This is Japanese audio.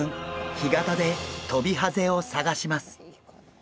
干潟でトビハゼを探します。